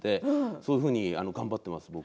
そういうふうに僕も頑張ってます。